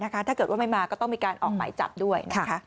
ถ้าเกิดว่าไม่มาก็ต้องมีการออกหมายจับด้วย